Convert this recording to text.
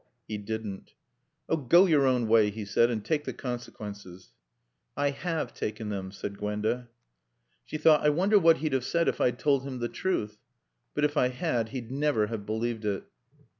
He didn't. "Oh, go your own way," he said, "and take the consequences." "I have taken them," said Gwenda. She thought, "I wonder what he'd have said if I'd told him the truth? But, if I had, he'd never have believed it."